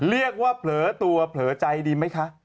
เรียกว่าเผลอตัวเผลอใจดีไหมคะ